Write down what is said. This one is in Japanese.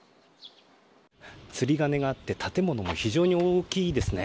釣り鐘があって建物も非常に大きいですね。